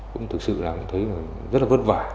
cũng thực sự làm thấy rất vất vả